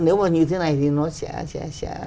nếu mà như thế này thì nó sẽ